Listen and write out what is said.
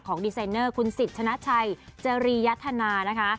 ดีไซเนอร์คุณสิทธนาชัยจรียธนานะคะ